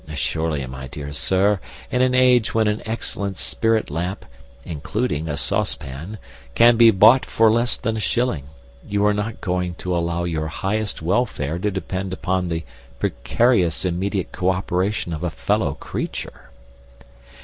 Surely, my dear sir, in an age when an excellent spirit lamp (including a saucepan) can be bought for less than a shilling, you are not going to allow your highest welfare to depend upon the precarious immediate co operation of a fellow creature!